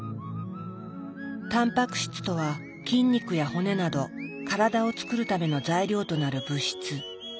たんぱく質とは筋肉や骨など体をつくるための材料となる物質。